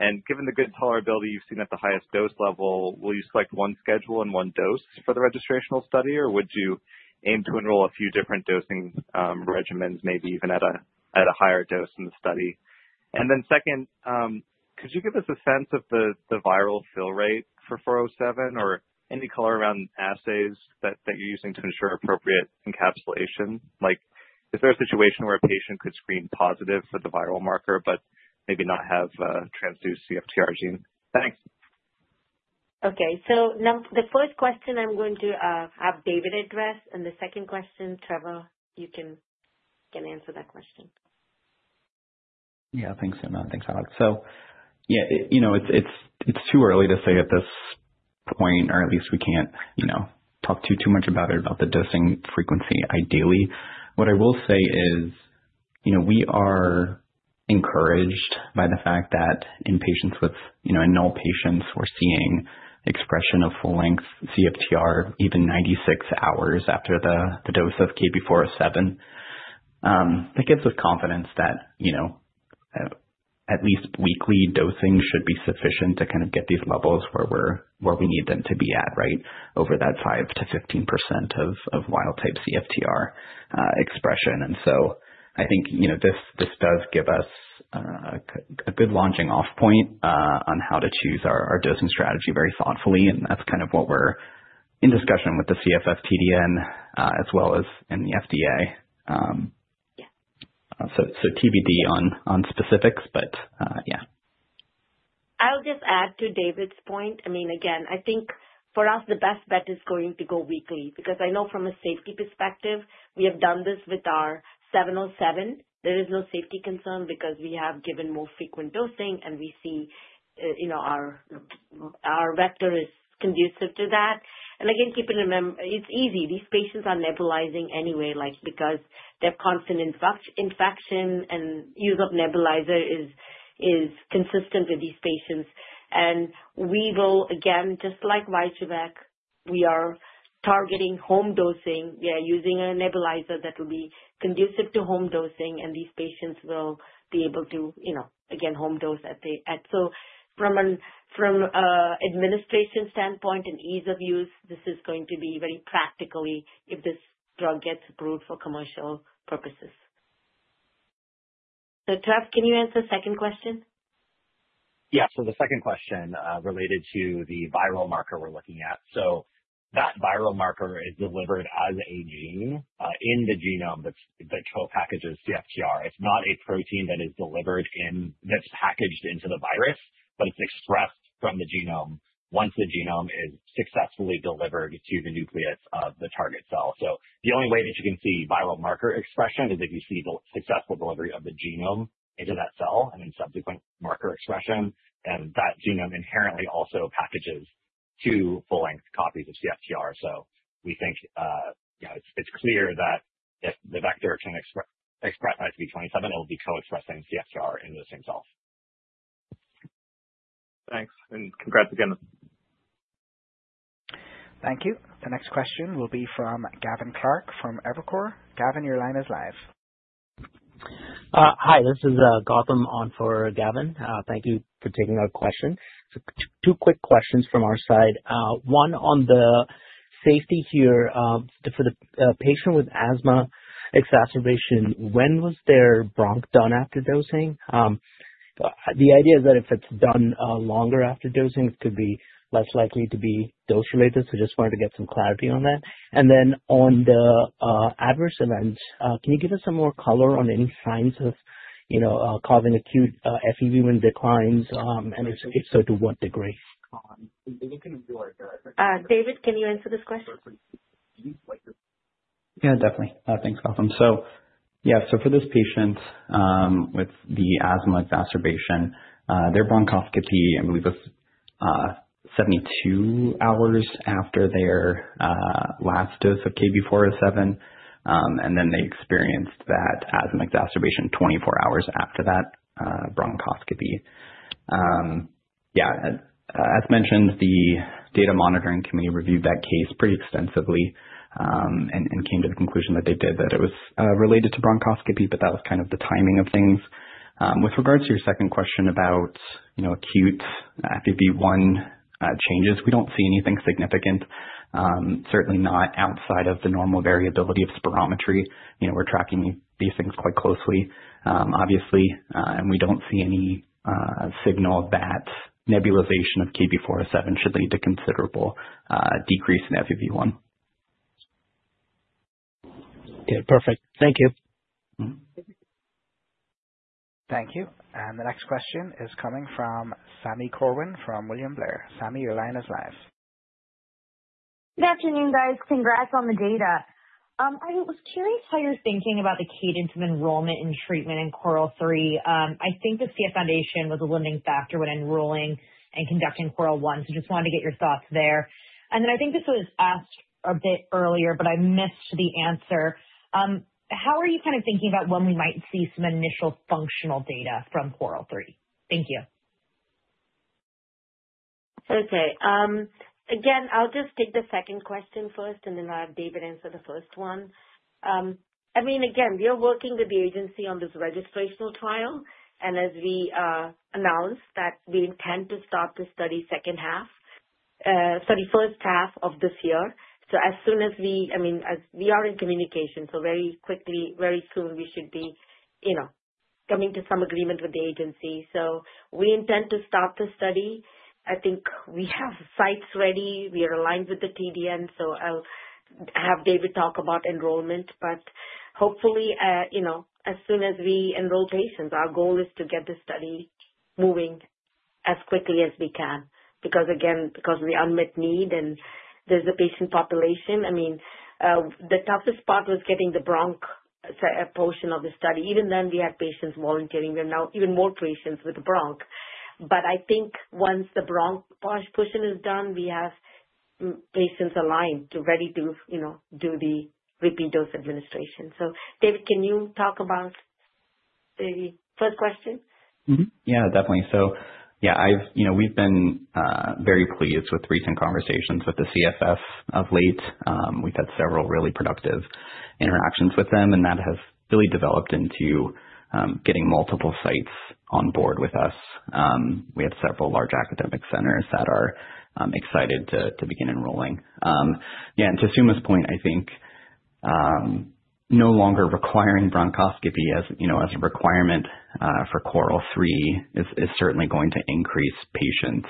And given the good tolerability you've seen at the highest dose level, will you select one schedule and one dose for the registrational study, or would you aim to enroll a few different dosing regimens, maybe even at a higher dose in the study? And then second, could you give us a sense of the viral fill rate for 407 or any color around assays that you're using to ensure appropriate encapsulation? Is there a situation where a patient could screen positive for the viral marker but maybe not have a transduced CFTR gene? Thanks. Okay. So the first question I'm going to have David address, and the second question, Trevor, you can answer that question. Yeah. Thanks, Suma. Thanks, Alec. So yeah, it's too early to say at this point, or at least we can't talk too much about it, about the dosing frequency ideally. What I will say is we are encouraged by the fact that in patients with null mutations, we're seeing expression of full-length CFTR even 96 hours after the dose of KB407. That gives us confidence that at least weekly dosing should be sufficient to kind of get these levels where we need them to be at, right, over that 5%-15% of wild-type CFTR expression. I think this does give us a good launching-off point on how to choose our dosing strategy very thoughtfully. That's kind of what we're in discussion with the CFF TDN as well as in the FDA. TBD on specifics, but yeah. I'll just add to David's point. I mean, again, I think for us, the best bet is going to go weekly because I know from a safety perspective, we have done this with our 707. There is no safety concern because we have given more frequent dosing, and we see our vector is conducive to that. Again, keep in mind, it's easy. These patients are nebulizing anyway because they have constant infection, and use of nebulizer is consistent with these patients. We will, again, just like Vyjuvek, we are targeting home dosing. We are using a nebulizer that will be conducive to home dosing, and these patients will be able to, again, home dose at the, so from an administration standpoint and ease of use, this is going to be very practical if this drug gets approved for commercial purposes. So Trevor, can you answer the second question? Yeah. So the second question related to the viral marker we're looking at. So that viral marker is delivered as a gene in the genome that packages CFTR. It's not a protein that is delivered in that's packaged into the virus, but it's expressed from the genome once the genome is successfully delivered to the nucleus of the target cell. So the only way that you can see viral marker expression is if you see the successful delivery of the genome into that cell and then subsequent marker expression. That genome inherently also packages two full-length copies of CFTR. So we think it's clear that if the vector can express ICP27, it will be co-expressing CFTR in the same cell. Thanks. And congrats again. Thank you. The next question will be from Gavin Clark from Evercore. Gavin, your line is live. Hi. This is Gautam on for Gavin. Thank you for taking our question. Two quick questions from our side. One on the safety here for the patient with asthma exacerbation. When was their bronch done after dosing? The idea is that if it's done longer after dosing, it could be less likely to be dose-related. So just wanted to get some clarity on that. And then on the adverse events, can you give us some more color on any signs of causing acute FEV1 declines? And if so, to what degree? David, can you answer this question? Yeah. Definitely. Thanks, Gautam. So yeah, so for this patient with the asthma exacerbation, their bronchoscopy, I believe, was 72 hours after their last dose of KB407. And then they experienced that asthma exacerbation 24 hours after that bronchoscopy. Yeah. As mentioned, the data monitoring committee reviewed that case pretty extensively and came to the conclusion that they did that it was related to bronchoscopy, but that was kind of the timing of things. With regards to your second question about acute FEV1 changes, we don't see anything significant. Certainly not outside of the normal variability of spirometry. We're tracking these things quite closely, obviously, and we don't see any signal that nebulization of KB407 should lead to considerable decrease in FEV1. Yeah. Perfect. Thank you. Thank you. And the next question is coming from Sami Corwin from William Blair. Sami, your line is live. Good afternoon, guys. Congrats on the data. I was curious how you're thinking about the cadence of enrollment and treatment in CORAL-3. I think the CF Foundation was a limiting factor when enrolling and conducting CORAL-1, so just wanted to get your thoughts there. And then I think this was asked a bit earlier, but I missed the answer. How are you kind of thinking about when we might see some initial functional data from CORAL-3? Thank you. Okay. Again, I'll just take the second question first, and then I'll have David answer the first one. I mean, again, we are working with the agency on this registrational trial. And as we announced that we intend to start the study second half, sorry, first half of this year. So as soon as we, I mean, we are in communication. Very quickly, very soon, we should be coming to some agreement with the agency. So we intend to start the study. I think we have sites ready. We are aligned with the TDN, so I'll have David talk about enrollment. But hopefully, as soon as we enroll patients, our goal is to get this study moving as quickly as we can because, again, because of the unmet need and there's a patient population. I mean, the toughest part was getting the bronch portion of the study. Even then, we had patients volunteering. There are now even more patients with the bronch. But I think once the bronch portion is done, we have patients aligned to ready to do the repeat dose administration. So David, can you talk about the first question? Yeah. Definitely. So yeah, we've been very pleased with recent conversations with the CFF of late. We've had several really productive interactions with them, and that has really developed into getting multiple sites on board with us. We have several large academic centers that are excited to begin enrolling. Yeah. And to Suma's point, I think no longer requiring bronchoscopy as a requirement for CORAL-3 is certainly going to increase patients'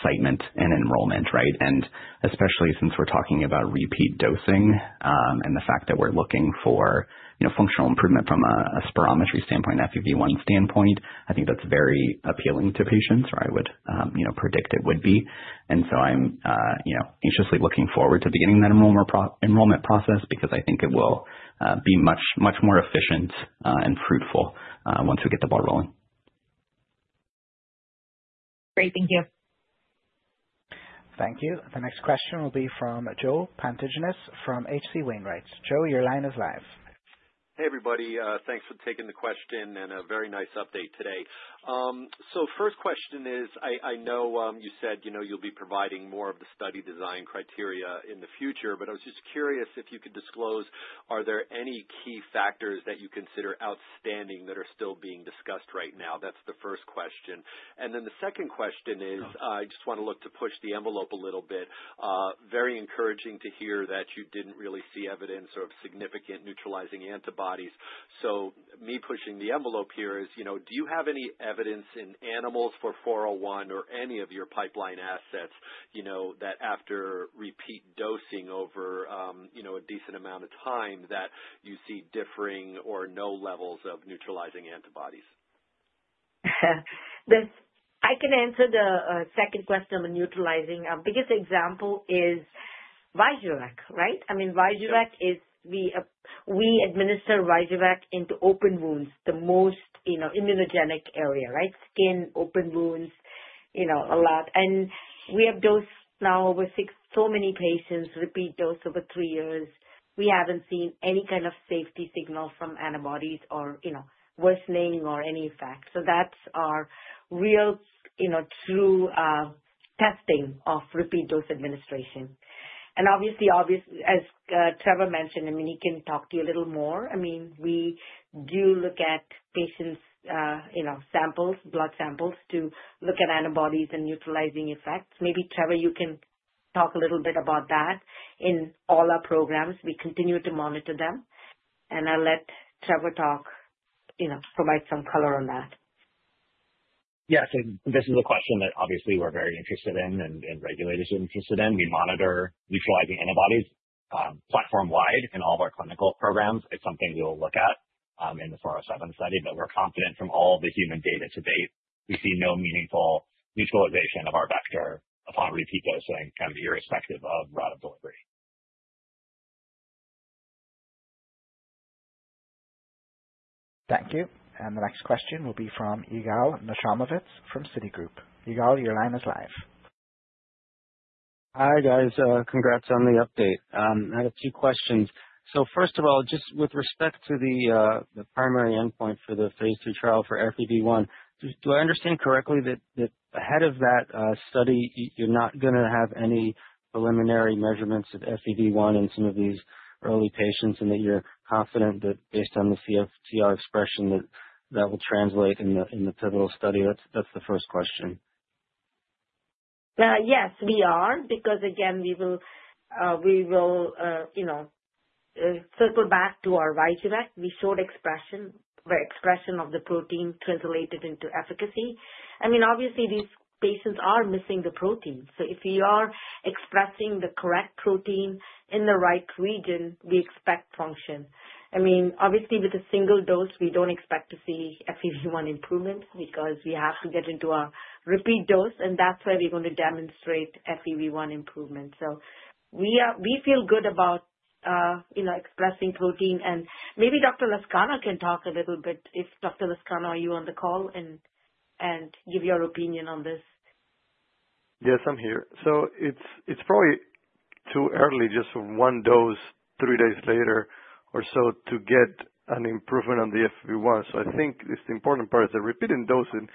excitement and enrollment, right? And especially since we're talking about repeat dosing and the fact that we're looking for functional improvement from a spirometry standpoint, FEV1 standpoint, I think that's very appealing to patients, or I would predict it would be. And so I'm anxiously looking forward to beginning that enrollment process because I think it will be much more efficient and fruitful once we get the ball rolling. Great. Thank you. Thank you. The next question will be from Joe Pantginis from H.C. Wainwright. Joe, your line is live. Hey, everybody. Thanks for taking the question and a very nice update today. So first question is, I know you said you'll be providing more of the study design criteria in the future, but I was just curious if you could disclose, are there any key factors that you consider outstanding that are still being discussed right now? That's the first question. And then the second question is, I just want to look to push the envelope a little bit. Very encouraging to hear that you didn't really see evidence of significant neutralizing antibodies. So me pushing the envelope here is, do you have any evidence in animals for KB407 or any of your pipeline assets that after repeat dosing over a decent amount of time, that you see differing or no levels of neutralizing antibodies? I can answer the second question on neutralizing. Our biggest example is Vyjuvek, right? I mean, Vyjuvek is we administer Vyjuvek into open wounds, the most immunogenic area, right? Skin, open wounds, a lot. And we have dosed now over so many patients, repeat dose over three years. We haven't seen any kind of safety signal from antibodies or worsening or any effect. So that's our real true testing of repeat dose administration. And obviously, as Trevor mentioned, I mean, he can talk to you a little more. I mean, we do look at patients' samples, blood samples to look at antibodies and neutralizing effects. Maybe Trevor, you can talk a little bit about that. In all our programs, we continue to monitor them. And I'll let Trevor talk, provide some color on that. Yeah. So this is a question that obviously we're very interested in and regulators are interested in. We monitor neutralizing antibodies platform-wide in all of our clinical programs. It's something we'll look at in the 407 study, but we're confident from all the human data to date, we see no meaningful neutralization of our vector upon repeat dosing kind of irrespective of route of delivery. Thank you. The next question will be from Yigal Nochomovitz from Citigroup. Yigal, your line is live. Hi guys. Congrats on the update. I have a few questions. So first of all, just with respect to the primary endpoint for the phase two trial for FEV1, do I understand correctly that ahead of that study, you're not going to have any preliminary measurements of FEV1 in some of these early patients and that you're confident that based on the CFTR expression, that will translate in the pivotal study? That's the first question. Yes, we are because, again, we will circle back to our Vyjuvek. We showed expression of the protein translated into efficacy. I mean, obviously, these patients are missing the protein. So if we are expressing the correct protein in the right region, we expect function. I mean, obviously, with a single dose, we don't expect to see FEV1 improvement because we have to get into a repeat dose, and that's where we're going to demonstrate FEV1 improvement. So we feel good about expressing protein, and maybe Dr. Lascano can talk a little bit. Dr. Lascano, are you on the call and give your opinion on this? Yes, I'm here, so it's probably too early just for one dose three days later or so to get an improvement on the FEV1. So I think the important part is that repeat dosing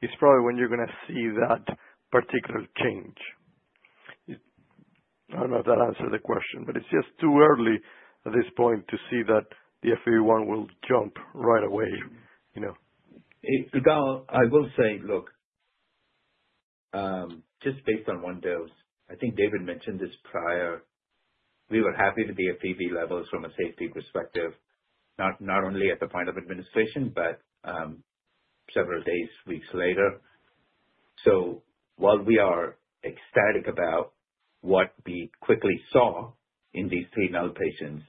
is probably when you're going to see that particular change. I don't know if that answers the question, but it's just too early at this point to see that the FEV1 will jump right away. Yigal, I will say, look, just based on one dose, I think David mentioned this prior. We were happy with the FEV levels from a safety perspective, not only at the point of administration but several days, weeks later. So while we are ecstatic about what we quickly saw in these three male patients,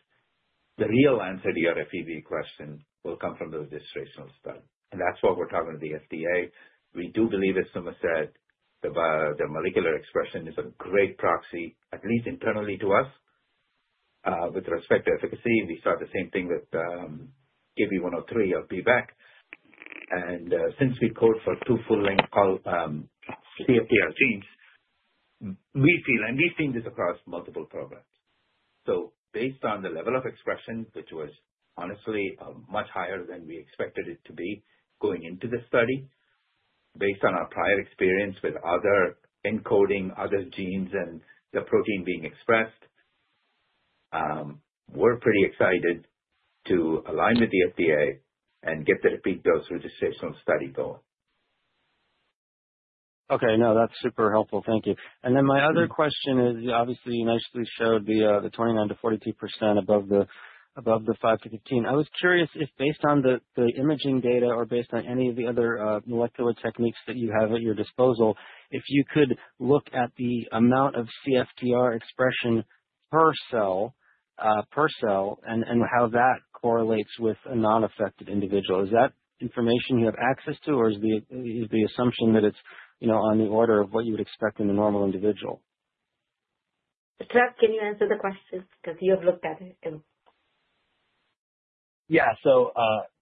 the real answer to your FEV question will come from the registrational study. And that's why we're talking to the FDA. We do believe, as Suma said, the molecular expression is a great proxy, at least internally to us, with respect to efficacy. We saw the same thing with KB103 or B-VEC. And since we've called for two full-length CFTR genes, we feel—and we've seen this across multiple programs—so based on the level of expression, which was honestly much higher than we expected it to be going into the study, based on our prior experience with other encoding, other genes, and the protein being expressed, we're pretty excited to align with the FDA and get the repeat dose registrational study going. Okay. No, that's super helpful. Thank you. Then my other question is, obviously, you nicely showed the 29%-42% above the 5%-15%. I was curious if, based on the imaging data or based on any of the other molecular techniques that you have at your disposal, if you could look at the amount of CFTR expression per cell and how that correlates with a non-affected individual. Is that information you have access to, or is the assumption that it's on the order of what you would expect in a normal individual? Trevor, can you answer the question because you have looked at it? Yeah. So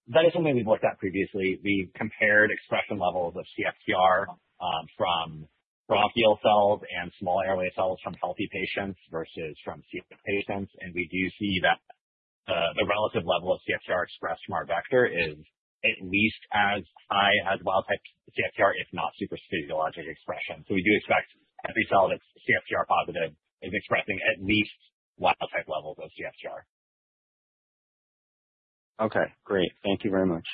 that is something we've looked at previously. We compared expression levels of CFTR from bronchial cells and small airway cells from healthy patients versus from CF patients. And we do see that the relative level of CFTR expressed from our vector is at least as high as wild-type CFTR, if not supraphysiologic expression. So we do expect every cell that's CFTR positive is expressing at least wild-type levels of CFTR. Okay. Great. Thank you very much.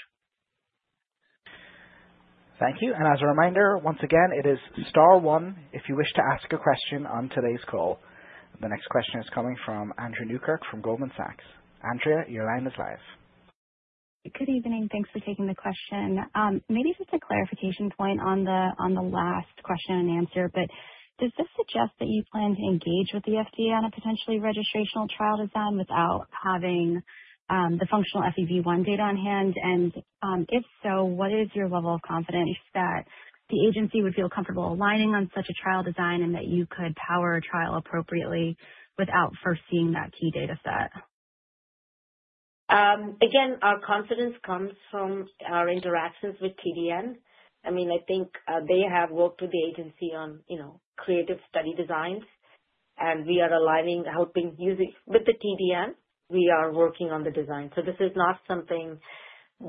Thank you. And as a reminder, once again, it is star one if you wish to ask a question on today's call. The next question is coming from Andrea Tan from Goldman Sachs. Andrea, your line is live. Good evening. Thanks for taking the question. Maybe just a clarification point on the last question and answer, but does this suggest that you plan to engage with the FDA on a potentially registrational trial design without having the functional FEV1 data on hand? And if so, what is your level of confidence that the agency would feel comfortable aligning on such a trial design and that you could power a trial appropriately without first seeing that key dataset? Again, our confidence comes from our interactions with TDN. I mean, I think they have worked with the agency on creative study designs, and we are aligning, helping with the TDN. We are working on the design. So this is not something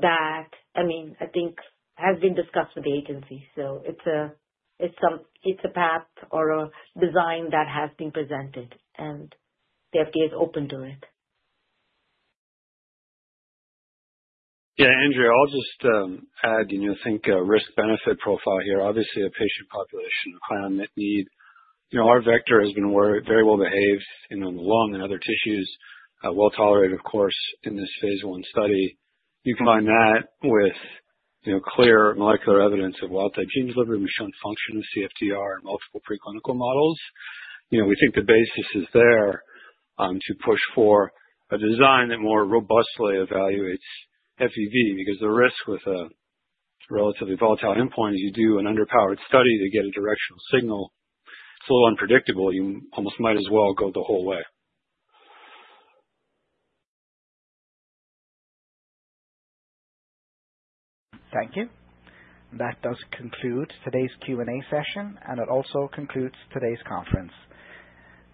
that, I mean, I think has been discussed with the agency. So it's a path or a design that has been presented, and the FDA is open to it. Yeah. Andrea, I'll just add, think risk-benefit profile here. Obviously, a patient population of high unmet need. Our vector has been very well behaved in the lung and other tissues, well tolerated, of course, in this phase one study. You can find that with clear molecular evidence of wild-type gene delivery and shown function of CFTR in multiple preclinical models. We think the basis is there to push for a design that more robustly evaluates FEV because the risk with a relatively volatile endpoint is you do an underpowered study to get a directional signal. It's a little unpredictable. You almost might as well go the whole way. Thank you. That does conclude today's Q&A session, and it also concludes today's conference.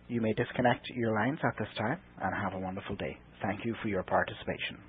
You may disconnect your lines at this time and have a wonderful day. Thank you for your participation.